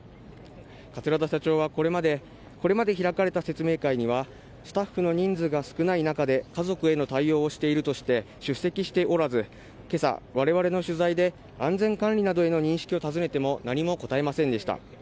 桂田社長はこれまで開かれた説明会にはスタッフが少ない中で家族への対応をしているとして出席しておらず今朝、我々の取材で安全管理などへの認識を尋ねても何も答えませんでした。